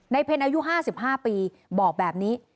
เพ็ญอายุ๕๕ปีบอกแบบนี้